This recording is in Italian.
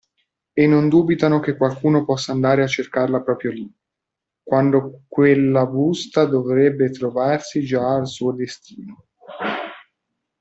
E non dubitano che qualcuno possa andare a cercarla proprio lì, quando quella busta dovrebbe trovarsi già al suo destino.